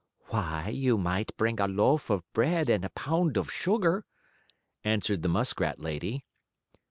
"Why, you might bring a loaf of bread and a pound of sugar," answered the muskrat lady.